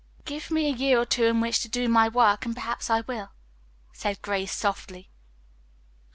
"Give me a year or two in which to do my work, and perhaps I will," said Grace softly.